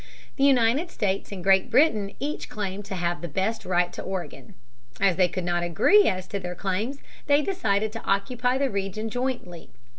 The United States and Great Britain each claimed to have the best right to Oregon. As they could not agree as to their claims, they decided to occupy the region jointly.